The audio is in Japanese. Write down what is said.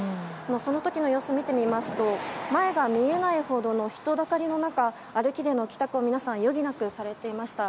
その時の様子を見てみますと前が見えないほどの人だかりの中歩きでの帰宅を皆さん余儀なくされていました。